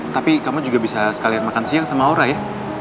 tapi kamu juga bisa sekalian makan siang sama aura ya